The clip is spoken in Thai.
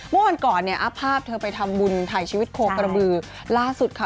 เมื่อวันก่อนเนี่ยอัพภาพเธอไปทำบุญถ่ายชีวิตโคกระบือล่าสุดค่ะ